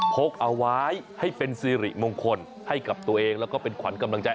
พกเอาไว้ให้เป็นสิริมงคลให้กับตัวเองแล้วก็เป็นขวัญกำลังใจ